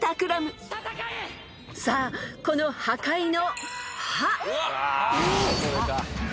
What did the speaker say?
［さあこの「破壊」の］